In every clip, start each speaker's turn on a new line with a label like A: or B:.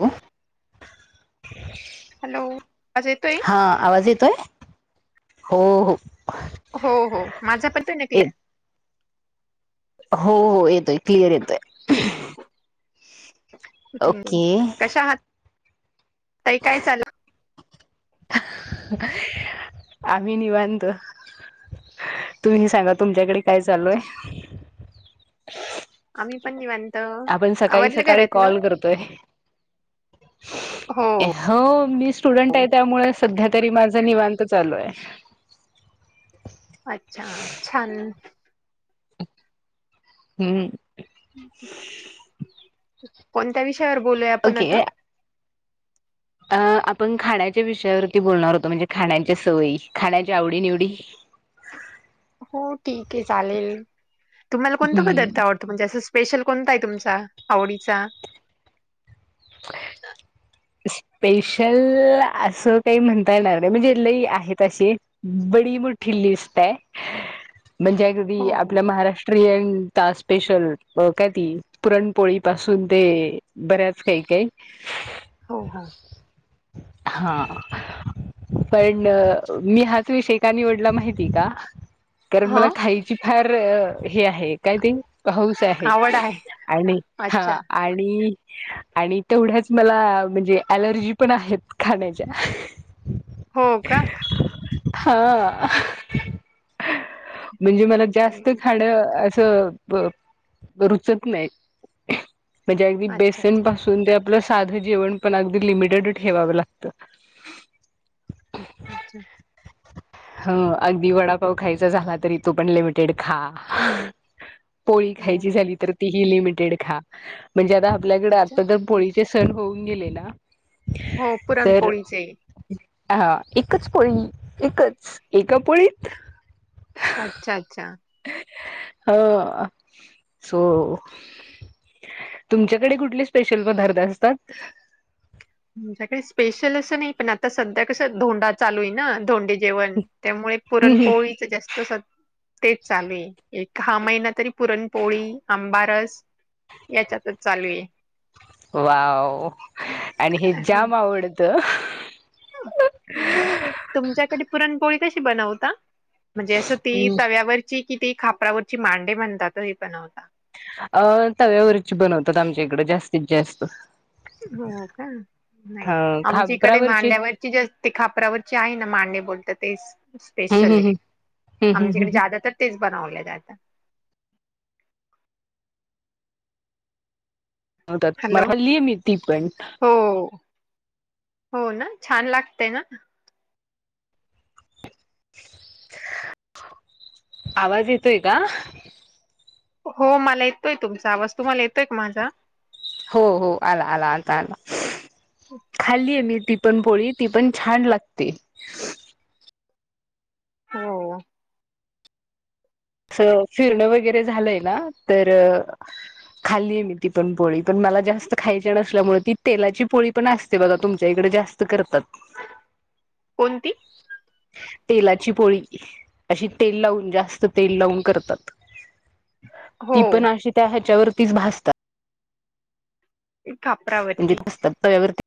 A: कोण?
B: हॅलो आवाज येतोय
A: हा, आवाज येतोय? हो हो.
B: हो हो, माझा पर पडतोय ना
A: ये
B: क्लिअर.
A: हो हो, येतोय क्लिअर येतोय. ओके
B: कशा आहात. ताई काय चालय?
A: आम्ही निवांत, तुम्ही सांगा तुमच्याकडे काय चालूय?
B: आम्ही पण निवां.
A: आपण सकाळी सकाळी कॉल करतोय.
B: हो
A: हो मी स्टुडंट
B: हो.
A: आहे त्यामुळे सध्या. तरी माझा निवांत चालु आहे
B: अच्छा छान
A: हम्म.
B: कोणत्या विषयावर बोलुया आपण
A: ओके
B: आता.
A: अ आपण खाण्याच्या विषयावरती बोलणार होतो, म्हणजे खाण्याच्या सवयी, खाण्याच्या आवडी-निवडी. ह [inaudible]
B: हो ठीक आहे चालेल, तुम्हाला कोणता पदार्थ
A: हम्म
B: आवडतो, म्हणजे असं स्पेशल कोणता आहे तुमचा, आवडीचा
A: स्पेशल असं काही म्हणता येणार, नाही म्हणजे लई आहेत, असे ब मोठी लिस्ट आहे, म्हणजे अगदी
B: हो हो
A: आपल्या महाराष्ट्र प्रियंका स्पेशल, काय ती पुरणपोळी पासुन ते बऱ्याच काय-काय.
B: हो, हो.
A: हा. पण मी हाच विषय का निवडला माहिती का कारण
B: हा
A: मला खायची फार हे आहे काय ते हाऊस आहे, आणि
B: अच्छा
A: हा आणि आणि तेवढ्याच मला म्हणजे, अलर्जी पण आहेत खाण्याच्या
B: हो. का.
A: हा म्हणजे मला जास्त
B: हम्म.
A: खाण अस रुचत नाही म्हणजे अगदी
B: अच्छा
A: बेसन
B: अच्छा
A: पासुन हे आपल साधं जेवण पण अगदी लिमिटेड ठेवाव लागतं.
B: अच्छा!
A: [unintelligible] ह अगदी वडापाव खायचा झाला तरी, तो पण लिमिटेड खा. पोळी
B: हम्म,
A: खायची
B: हम्म.
A: झाली तर, तिही लिमिटेड खा म्हणजे आता आपल्याकडे
B: अच्छा,
A: आता तर पोळी ते सण होऊन गेले ना.
B: हो
A: तर
B: पुरणपोळीचे.
A: हा एकच पोळी एकच एका पोळीत
B: अच्छा अच्छा
A: हा, सो तुमच्याकडे कुठले स्पेशल पदार्थ असतात?
B: आमच्याकडे स्पेशल असं नाही, पण आता सध्या कसं धोंडा चालु आहे ना धोंडे जेवण त्यामुळे पुरणपोळीच जास्त तेच चालु आहे एक. हा महिना तरी पुरणपोळी आंबारस याच्यातच चालु आहे.
A: वाव आणि हे जाम आवडतं.
B: तुमच्याकडे पुरणपोळी कशी बनवता? म्हणजे असं ती तव्यावरची कि ती खापरावरची मांडे म्हणतात हे बनवता
A: अं तव्यावरची बनवतात आमच्या इकडें जास्तीत जास्त
B: हो का नाही
A: ह
B: आमच्या इकडे
A: खापरावरची
B: मांड्यावरची जे ते खापरावरची आहे ना मांडे बोलत ते स्पेश
A: हम्म हम्म हम्म हम्म हम्म
B: आमच्याकडे
A: हम्म
B: जादा तर तेच बनावले जा
A: हो म
B: हॅलो
A: खाल्ली आहे मी ती पण
B: हो हो ना छान लागतेय ना
A: आवाज येतोय का
B: हो मला येतोय तुमचा आवाज तुम्हाला येतोय का माझा
A: हो हो आला आला आता आला खाल्लीय मी ती पण पोळी ती पण छान लागते.
B: हो.
A: असं फिरणं वगैरे झालंय ना तर खाल्ली आहे मी ती पण पोळी पण मला जास्त खायची नसल्यामुळे ती तेलाची पोळी पण असते बघा तुमच्या इकडे जास्त करतात.
B: कोणती?
A: तेलाची पोळी अशी तेल लावून जास्त तेल लावून करतात.
B: हो
A: ती पण अशी त्या ह्याच्यावरतीच भाजतात.
B: खापरावरती
A: [unintelligible]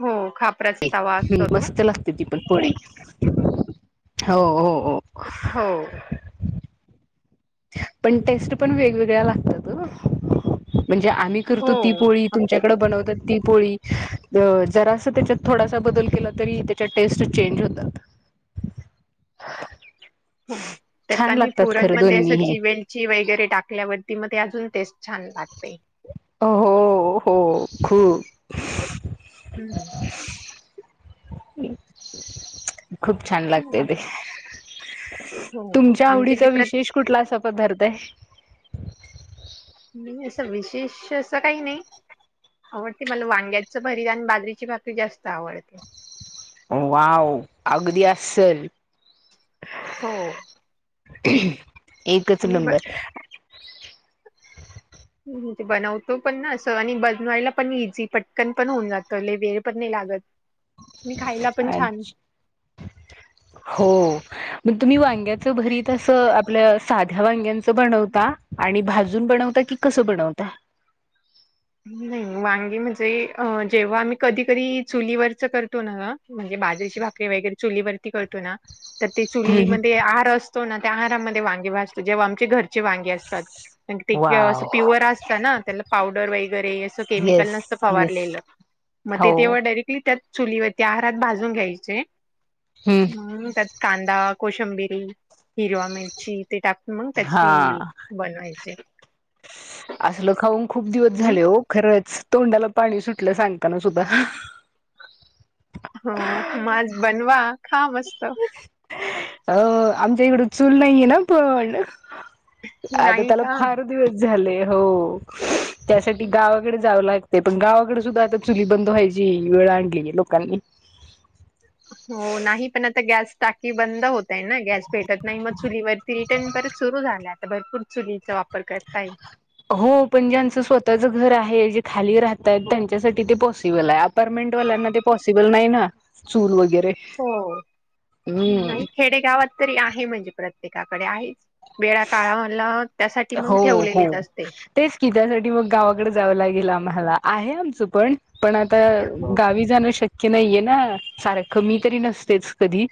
B: हो खापराच.
A: हम् मस्त लागते ती पण पोळी. हो हो. हो
B: हो.
A: पण टेस्ट पण वेगवेगळ्या लागतात. म्हणजे आम्ही
B: हो
A: करतो ती पोळी
B: आप-
A: तुमच्याकडे बनवतात ती पोळी जरा अस त्याच्यात थोडासा बदल केला तरी त्याच्या टेस्ट चेंज होतात. [unintelligible] छान
B: नी
A: लागतात खरं
B: पुरणमध्ये अस
A: दोन्हीही
B: चिवेलची वगैरे टाकल्यावर ती मध्ये अजून टेस्ट छान लागते.
A: हो हो खूप
B: हम्म.
A: खूप छान लागतेय ते.
B: हो
A: तुमच्या
B: आमच्या इकडे
A: आवडीचा
B: प्र
A: विशेष कुठला असा पदार्थ आहे.
B: नाही असं विशेष असं काही नाही. आवडते मला वांग्याच भरीत आणि बाजरीची भाकरी जास्त आवडते.
A: वाव अगदी अस्सल.
B: हो.
A: एकच
B: आणि ब
A: नंबर.
B: ह ते बनवतो पण ना असं आणि बनवायला पण इझी पटकन पण होऊन जातं वेळ पण नाही लागत. आणि खायला पण छान.
A: अच्छा हो. मग तुम्ही वांग्याच भरीत अस आपल्या साध्या वांग्यांच बनवता आणि भाजून बनवता की कस बनवता?
B: नाही वांगी म्हणजे अ जेव्हा आम्ही कधी की चुलीवरच करतो ना म्हणजे बाजरीची भाकरी वगैरे चुलीवरती करतो ना? तर ते चुलीमध्ये आर असतो ना त्या आरामध्ये वांगे वाजतो जेव्हा आमचे घर ची वांगी असतात ते की
A: वाव
B: पिवर असत ना त्यांना पावडर वगैरे अस केमिकल
A: येस
B: नसत
A: येस
B: फवारलेल मते
A: हो
B: डायरेक्टली त्यात चुलीवरती आहारात भाजून घ्यायचे
A: हम्म.
B: ह त्यात कांदा कोशंबिरी हिरवा मिरची ते टाकून मग
A: हा
B: त्याची बनवायचे.
A: असलं खाऊन खूप दिवस
B: आणि
A: झाले हो खरंच. तोंडाला पाणी सुटलं सांगताना सुद्धा.
B: हो म आज बनवा खा मस्त.
A: अ आमच्या इकडं चूल नाहीये ना पण! आता
B: नाही
A: त्याला
B: का
A: फार दिवस झाले हो. त्यासाठी गावाकडे जाऊ लाग ते पण गावाकडे सुद्धा आता चुली बंद व्हायची वेळ आणली लोकांनी.
B: हो नाही पण आता गॅस टाकी बंद होतय ना गॅस भेटत नाही मग चुलीवरती रिटर्न सुरू झालं आता भरपूर चुलीचा वापर करता य.
A: हो पण जे आचं स्वतःच घर आहे जे खाली राहत त्यांच्यासाठी ते पॉसिबल आहे अपमें आपरमेंट वाल्यांना ते पॉसिबल नाही ना चूल वगैरे.
B: हो
A: हम्म
B: नाही खेडेगावात तरी आहे म्हणजे प्रत्येकाकडे आहेच वेळ काळामला
A: हो हो तेच की त्यासाठी मग गावाकडे जावं लागेल आम्हाला. आहे आमचं पण पण आता
B: हो
A: गावी जाणं शक्य की नाहीये ना सार कमी तरी नसतेच कधी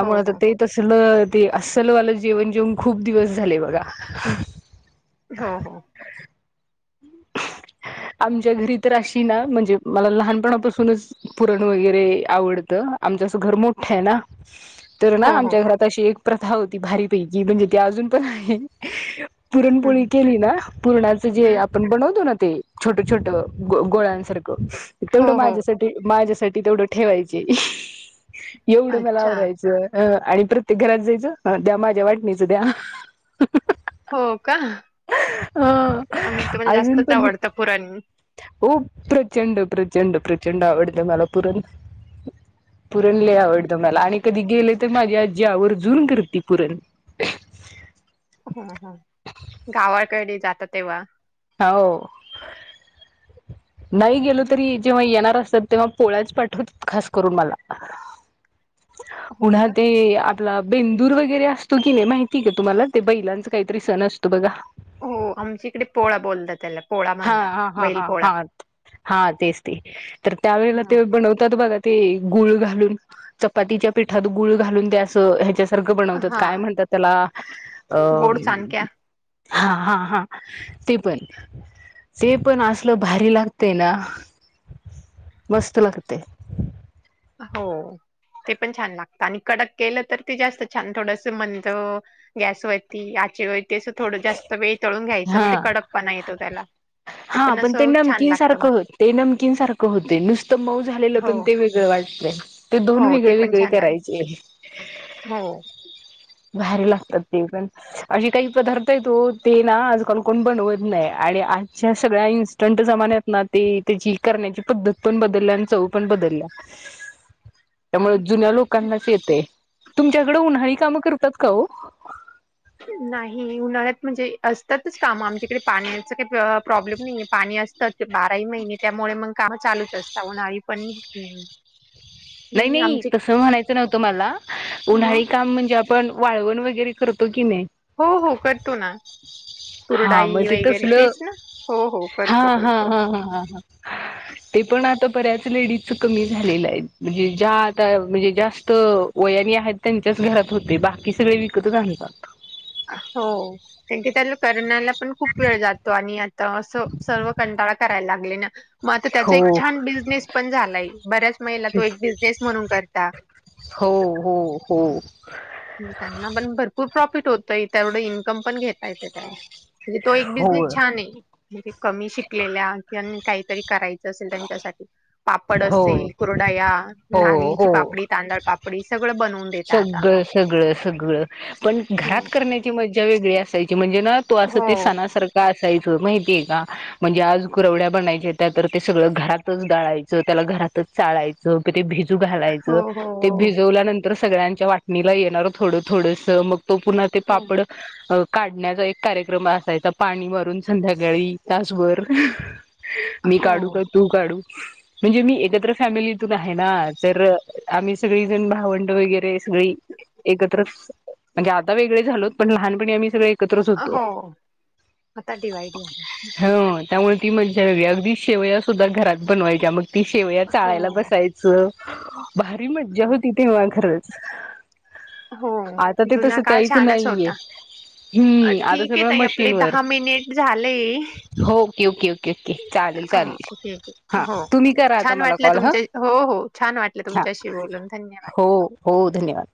B: हो
A: आता
B: हो
A: ते तसलं ते असलवालं जेवण जेवन खूप दिवस झाले बघा
B: होा हो
A: [inaudible] आमच्या घरी तर अशी ना म्हणजे मला लहानपणापासूनच पुरण वगैरे आवडतं आमच्या अस घर मोठं आहे ना तर ना
B: हो
A: आमच्या घरात अशी एक प्रथा होती भारीपैकी म्हणजे ती अजून पण आहे पुरणपोळी केली ना पुरणाच जे
B: हो
A: आपण ते छोट छोट गोळ्यांसारख तेवढ
B: हो हो
A: माझ्या माझ साठी तेवढं ठेवायचे एवढं मला
B: अच्छा
A: आवरायचं अ आणि प्रत्येक घरात जायचं द्या माझ्या वाटणीचं द्या
B: हो का
A: ह
B: आही तुम्हाला
A: अजून
B: जास्तच
A: पण
B: आवडतं पुरण
A: हो प्रचंड प्रचंड प्रचंड आवड तर मलपूर पुरणले आवडतं मला आणि कधी गेले तर माझ्या आजी आवर जून करती पुरण
B: हम ह गावाकडे जात तेव्हा
A: हो नाही गेलो तरी जेव्हा येणार असतात तेव्हा पोळ्याच पाठवत खास करून मला
B: हो
A: उन्हा
B: का?
A: ते बेंदूर वगैरे असतो की नाही माहिती का तुम्हाला ते बैलांच काहीतरी सण असतो बघा
B: हो आमच्या इकडे पोळा बोलतात त्याला पोळा
A: हा
B: म्हणता.
A: हा हा
B: बैल
A: हा
B: पोळा.
A: हा हा तेच ते तर त्यावेळेला
B: हां,
A: ते बनवतात बघा ते गुळ घालून चपातीच्या पिठात गुळ घालून त्या असं ह्याच्या सर्ग बनवतात काय
B: हां.
A: म्हणतात त्याला अ
B: गोड चांदक्या.
A: हा हा हा ते पण ते पण असलं भारी लागतेय ना बसतलाते
B: हो ते पण छान लागत आणि कडक केलं तर ते जास्त छान थोडस मंद गॅस वती थोडं जास्त वेळ तळून घ्यायचं मग
A: हा
B: ते कडपणा येतो त्याला
A: हा पण ते
B: असं छान
A: नमकीन
B: लागतं मग.
A: सारखं होते ते नमकीन सारखं होते नुसतं मऊ झालेलं
B: हो,
A: पण ते वेगळं वाटत ते दोन
B: हो. ते
A: वेगळे
B: पण
A: वेगळे
B: छान लागतं.
A: करायचे भारी लागतात ते पण अे काही पदार्थ आहे तो ते ना आजकाल कोण बनवत नाही आणि आजच्या सगळ्या इन्स्टंट जमान्यात ना ते त्याची करण्याची पद्धत पण बदलल्या आणि चव पण बदल [inaudible]
B: हो.
A: त्यामुळे जुन्या लोकांनाच येते तुमच्याकडे उन्हाळी कामं करतात का हो
B: नाही उन्हाळ्यात म्हणजे असतातच काम आमच्याकडे पाण्याच काही प्रॉब्लेम नाहीये पाणी असतात. बाराही महिने त्यामुळे मग काम चालूच असतात उन्हाळी पण
A: नाही नाही
B: आमचे
A: तस म्हणायचं नव्हतं मला
B: मग
A: उन्हाळी काम म्हणजे आपण वाळवण वगैरे करतो. की नाही
B: हो हो करतो ना.
A: हा मग
B: कुरडाई
A: ते
B: वगैरे
A: तसलं
B: तेच ना हो हो
A: हा
B: करतो
A: हा
B: करतो
A: हा. ते पण आता बऱ्याच लेडीज कमी झालेलं आहे. म्हणजे ज्या आता म्हणजे जास्त वयानी आहेत त्यांच्याच घरात होते बाकी सगळे विकतच. सात.
B: हो कार क त्याला करनाला पण खूप वेळ जातो आणि तर असं सर्व कंटाळा करायला लागले ना. मग आता त्याचा
A: हो
B: एक छान बिझनेस पण झालाय बऱ्याच महिला तो एक बिझनेस म्हणून करता
A: हो हो हो
B: यवढ इन्कम पण घता येत म्हणजे तो एक बिझनेस
A: हो
B: छान आहे कमी शिकलेल्या किंवा काहीतरी करायचं असेल त्यांच्यासाठी पापड असेल
A: हो
B: कुरडाया
A: हो
B: नागलीची
A: हो
B: पापडी तांदळ पापडी बनवून दता आता
A: सगळं सगळं सगळ पण घरात
B: हो
A: करण्याची मज्जा वेगळी असायची म्हणजे न तू असं
B: हो
A: ते सणा सारखं. मा का म्हणजे आ ब स घरात डळायच. चाळायचं ते भिज
B: हो
A: घालायचं
B: हो
A: ते भिजवल्यानंतर सगळ्यांच्या वाटणीला येणार थोडं थोडस मग त पुन्हा ते पापड काढण्याचा एक कार्यक्रम असायचा पाणी मारून संध्याकाळी त्याासभर मी काढू
B: हो
A: का तू काढू. म्हणजे मी एकत्र फॅमिलीतून आहे ना तर आम्ही सगळीजण भावं र्र म्हणे आ वेग झालो प ल आ्. सगळ एकत्रच होतो
B: हो आता डिवाइड झाले
A: हा. त्यामुळे ती म्हणजेवी अगदी शेवया सुद्धा घरात बनवायच्या मग ती शेवया
B: हो
A: चाळायला बसायचं. भारी मज्जा
B: हो
A: होती तेव्हा घरच
B: हो जुना काळ छानच
A: नाहीये
B: होता. अ
A: हम्म आता
B: ठीक आहे
A: सगळं
B: तई आपले
A: मशीनवर
B: दहा मिनिट झालेय.
A: हो ओके ओके ओके ओके चालेल चालेल
B: ठी
A: हा
B: हो
A: तुम्ही करा आता
B: छान
A: मला
B: वाटलं
A: कॉल हा
B: तुमच्या
A: हा
B: हो.
A: हो
B: [unintelligible]
A: हो धन्यवाद.